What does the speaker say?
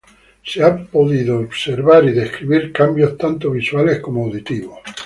Se han podido observar y describir cambios tanto visuales como auditivos.